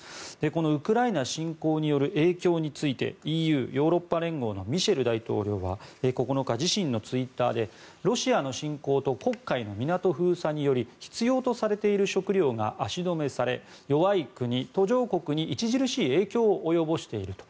このウクライナ侵攻による影響についてＥＵ・ヨーロッパ連合のミシェル大統領は９日、自身のツイッターでロシアの侵攻と黒海の港封鎖により必要とされている食糧が足止めされ弱い国、途上国に著しい影響を及ぼしていると。